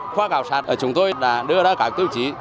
khoa cảo sát ở chúng tôi đã đưa ra các tiêu chí